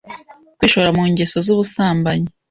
kwishora mu ngeso z'ubusambanyi